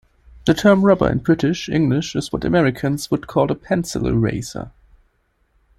The term rubber in British English is what Americans would call a pencil eraser